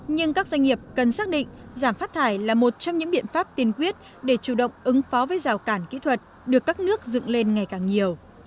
nhưng các doanh nghiệp cần xác định giảm phát thải là một trong những biện pháp tiên quyết để chủ động ứng phó với rào cản kỹ thuật được các nước dựng lên ngày càng nhiều